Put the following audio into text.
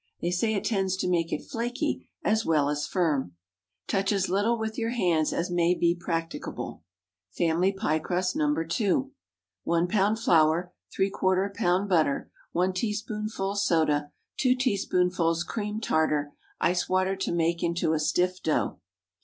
They say it tends to make it flaky as well as firm. Touch as little with your hands as may be practicable. FAMILY PIE CRUST (No. 2.) ✠ 1 lb. flour. ¾ lb. butter. 1 teaspoonful soda. 2 teaspoonfuls cream tartar. Ice water to make into a stiff dough.